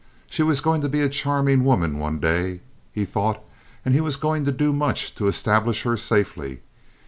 She was going to be a charming woman one day, he thought, and he was going to do much to establish her safely.